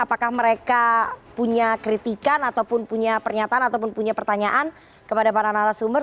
apakah mereka punya kritikan ataupun punya pernyataan ataupun punya pertanyaan kepada para narasumber